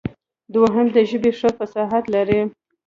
دوهم د ژبې ښه فصاحت لري.